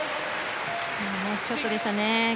ナイスショットでしたね。